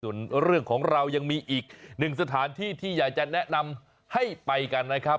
ส่วนเรื่องของเรายังมีอีกหนึ่งสถานที่ที่อยากจะแนะนำให้ไปกันนะครับ